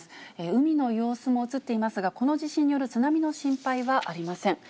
海の様子も映っていますが、この地震による津波の心配はありません。